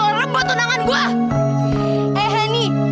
serasa memperkenalkannya anda semua